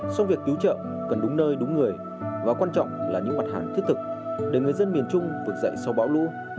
sau việc cứu trợ cần đúng nơi đúng người và quan trọng là những mặt hẳn thiết thực để người dân miền trung vượt dậy sau bão lũ